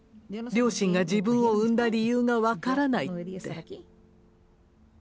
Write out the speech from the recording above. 両親が自分を生んだ理由が分からない」って。